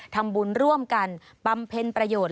ทำบุญร่วมกันบำเพ็ญประโยชน์